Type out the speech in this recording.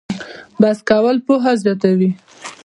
بحث کول پوهه زیاتوي؟